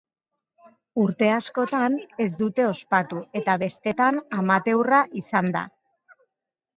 Urte askotan ez dute ospatu eta bestetan amateurra izan da.